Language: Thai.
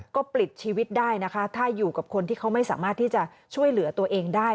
ก็ปลิดชีวิตได้นะคะถ้าอยู่กับคนที่เขาไม่สามารถที่จะช่วยเหลือตัวเองได้